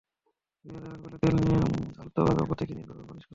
দুই হাতের আঙুলে তেল নিয়ে আলতোভাবে ওপর থেকে নিচ বরাবর মালিশ করুন।